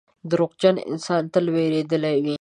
• دروغجن انسان تل وېرېدلی وي.